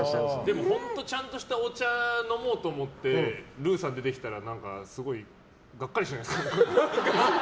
でも、本当にちゃんとしたお茶を飲もうと思ってルーさん出てきたら何かすごいがっかりしますよね。